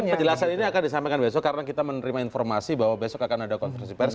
penjelasan ini akan disampaikan besok karena kita menerima informasi bahwa besok akan ada konversi pers